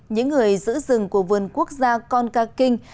những người giữ rừng của vườn quốc gia con ca kinh